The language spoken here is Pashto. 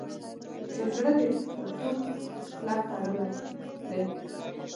چې زړه دې په ټوک کلک تړلی دی.